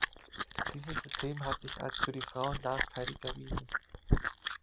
Dieses System hat sich als für die Frauen nachteilig erwiesen.